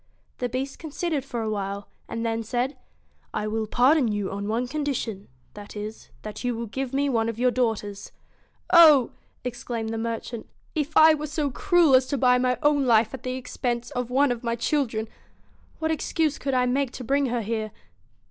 The Beast considered for a while, and then said * I will pardon you on one condition, that is, that you will give me one of your daughters.' ' Oh !' exclaimed the merchant ' If I were so cruel as to buy my own life at the expense of one of my children, what excuse could I make to bring her here?'